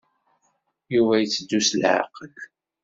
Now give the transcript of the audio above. Yuba itteddu s leɛqel.